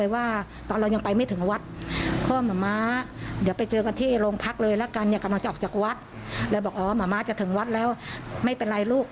บอกอ๋อหมาม้าจะถึงวัดแล้วไม่เป็นไรลูก